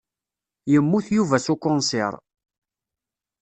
Yemmut Yuba s ukunṣiṛ.